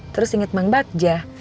terus inget mang bagja